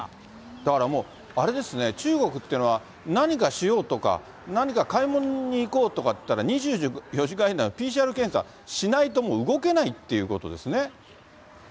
だからもう、あれですね、中国っていうのは、何かしようとか、何か買い物に行こうとかっていったら、２４時間以内にＰＣＲ検査しないと、もう動けないということです